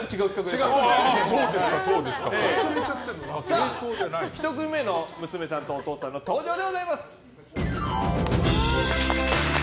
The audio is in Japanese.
さあ、１組目の娘さんとお父さんの登場でございます。